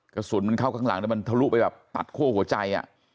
กระสุนมันเข้าข้างหลังแล้วมันทะลุไปแบบตัดคั่วหัวใจ